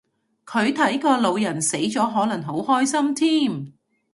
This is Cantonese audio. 佢睇個老人死咗可能好開心添